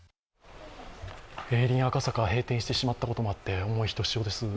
榮林赤坂、閉店してしまったこともあって、思いひとしおです。